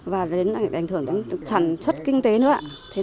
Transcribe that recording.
và đến ảnh hưởng đến sản xuất kinh tế nữa